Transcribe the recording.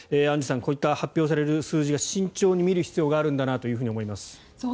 アンジュさんこういった発表される数字は慎重に見る必要があるんだなと思います。